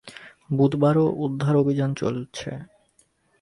বুধবারও উদ্ধার অভিযান চলছে।